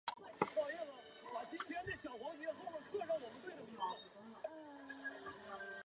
教堂在二战期间遭到破坏。